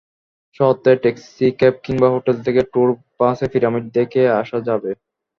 শহর থেকে ট্যাক্সিক্যাব কিংবা হোটেল থেকে টুর বাসে পিরামিড দেখে আসা যাবে।